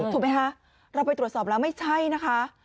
ถูกไหมคะเราไปตรวจสอบแล้วไม่ใช่นะคะ